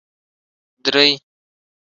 درې